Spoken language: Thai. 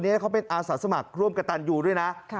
นี่เขาเป็นอาสาสมัครร่วมกับตันยูด้วยนะ